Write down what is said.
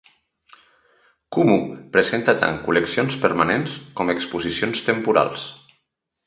Kumu presenta tant col·leccions permanents com exposicions temporals.